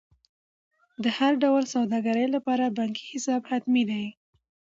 د هر ډول سوداګرۍ لپاره بانکي حساب حتمي دی.